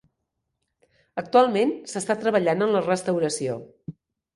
Actualment s'està treballant en la restauració.